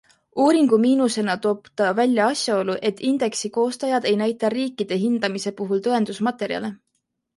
Uuringu miinusena toob ta välja asjaolu, et indeksi koostajad ei näita riikide hindamise puhul tõendusmaterjale.